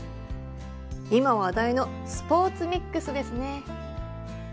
今話題のスポーツミックスですね。